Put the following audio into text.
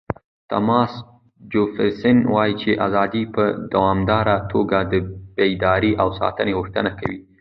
تاماس جفرسن وایي چې ازادي په دوامداره توګه د بیدارۍ او ساتنې غوښتنه کوي.